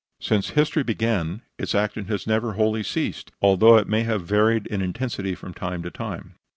Since history began its action has never wholly ceased, although it may have varied in intensity from time to time.